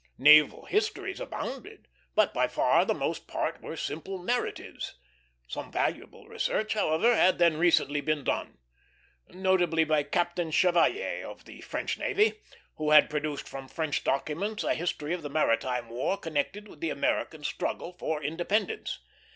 Naval histories abounded, but by far the most part were simply narratives. Some valuable research, however, had then recently been done; notably by Captain Chevalier, of the French navy, who had produced from French documents a history of the maritime war connected with the American struggle for independence.